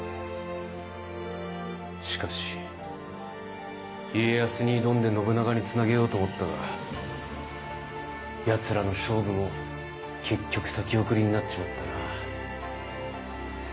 しかし家康に挑んで信長につなげようと思ったがヤツらの勝負も結局先送りになっちまったな。